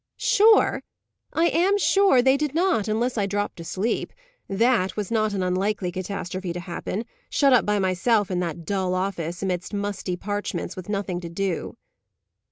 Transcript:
"Sure! I am sure they did not, unless I dropped asleep. That was not an unlikely catastrophe to happen; shut up by myself in that dull office, amidst musty parchments, with nothing to do."